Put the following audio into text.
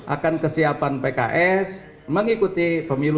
akan kesiapan pks mengikuti pemilu